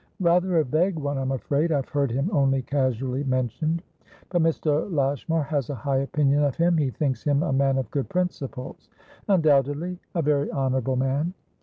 "Rather a vague one, I'm afraid. I have heard him only casually mentioned." "But Mr. Lashmar has a high opinion of him? He thinks him a man of good principles?" "Undoubtedly. A very honourable man."